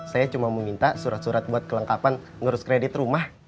saya cuma meminta surat surat buat kelengkapan ngurus kredit rumah